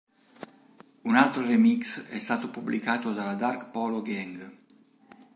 Un altro remix è stato pubblicato dalla Dark Polo Gang.